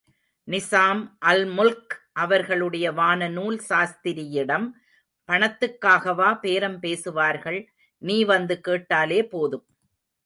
நிசாம் அல்முல்க் அவர்களுடைய வானநூல் சாஸ்திரியிடம், பணத்துக்காகவா பேரம் பேசுவார்கள், நீ வந்து கேட்டாலே போதும்.